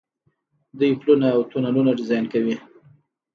دوی پلونه او تونلونه ډیزاین کوي.